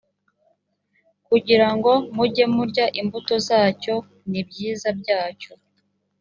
kugira ngo mujye murya imbuto zacyo n ibyiza byacyo